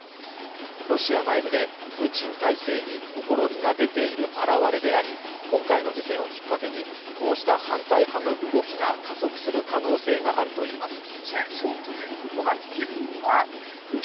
ロシア内部でプーチン体制にほころびが出ている現れであり、今回の事件をきっかけにこうした反対派の動きが加速する可能性があるといいます。